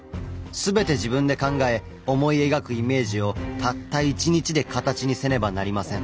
全て自分で考え思い描くイメージをたった１日で形にせねばなりません。